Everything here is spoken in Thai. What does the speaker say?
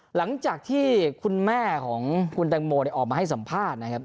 หลังจากที่คุณแม่ของคุณแตงโมออกมาให้สัมภาษณ์นะครับ